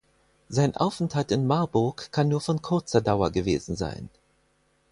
Sein Aufenthalt in Marburg kann nur von kurzer Dauer gewesen sein.